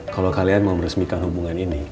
kalau kalian mau meresmikan hubungan ini